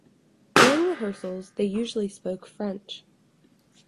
During rehearsals they usually spoke French.